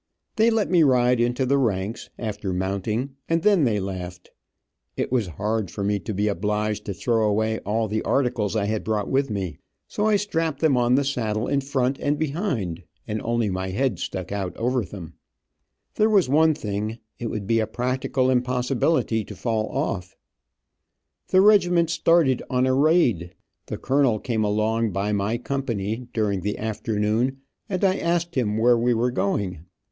They let me ride into the ranks, after mounting, and then they laughed. It was hard for me to be obliged to throw away all the articles I had brought with me, so I strapped them on the saddle in front and behind, and only my head stuck out over them. There was one thing, it would be a practicable impossibility to fall off. [Illustration: Mounting a horse from the top of a rail fence 021] The regiment started on a raid. The colonel came along by my company during the afternoon, and I asked him where we were going.